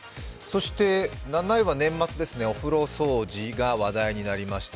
７位は年末ですね、お風呂掃除が話題になりました。